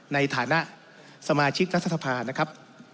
ในฐานะสมาชิกรัฐสภานะครับ